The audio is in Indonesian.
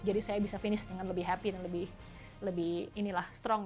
jadi saya bisa finish dengan lebih happy dan lebih strong